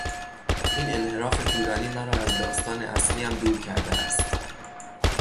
این انحراف طولانی مرا از داستان اصلیم دور کرده است.